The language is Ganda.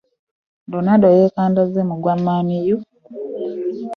Ronaldo yekandazze mu gwa man u.